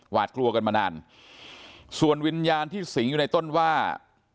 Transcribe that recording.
กลัวกันมานานส่วนวิญญาณที่สิงอยู่ในต้นว่า